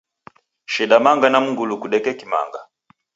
Sheda manga na mngulu kudeke Kimanga.